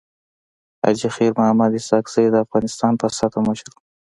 حاجي خير محمد اسحق زی د افغانستان په سطحه مشر وو.